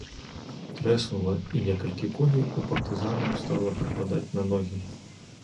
Трэснула, і некалькі коней у партызанаў стала прыпадаць на ногі.